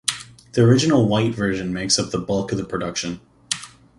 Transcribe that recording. The original white version makes up the bulk of the production.